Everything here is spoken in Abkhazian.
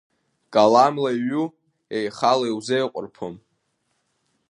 Каламла иҩу еихала иузеиҟәырԥом.